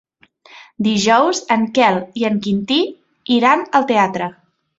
Dijous en Quel i en Quintí iran al teatre.